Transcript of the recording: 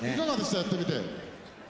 やってみて。